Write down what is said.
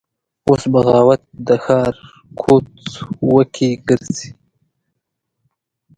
اوس بغاوت د ښار کوڅ وکې ګرځي